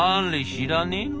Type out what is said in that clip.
知らねえの？